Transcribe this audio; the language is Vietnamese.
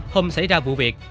hôm xảy ra vụ việc